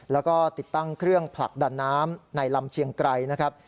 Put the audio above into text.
แล้วก็ติดตั้งเครื่องผลักดันน้ำในลำเชียงไกรนะครับ